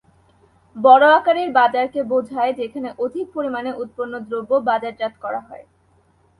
বড় আকারের বাজারকে বোঝায় যেখানে অধিক পরিমাণে উৎপন্ন দ্রব্য বাজারজাত করা হয়।